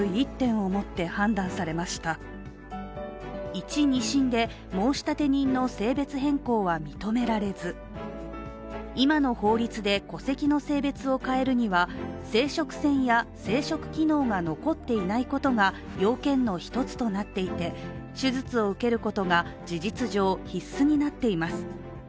１、２審で申立人の性別変更は認められず、今の法律で戸籍の性別を変えるには生殖腺や生殖機能が残っていないことが要件の１つとなっていて、手術を受けることが事実上、必須になっています。